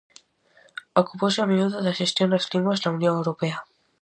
Ocupouse a miúdo da xestión das linguas na Unión Europea.